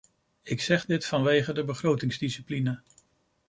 Ik zeg dit vanwege de begrotingsdiscipline.